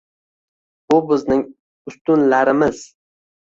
Bu bizning ustunlarimiz.